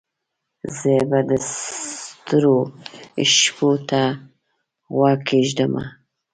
زه به د ستورو شپو ته غوږ کښېږدمه